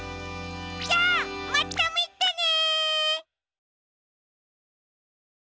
じゃあまたみてね！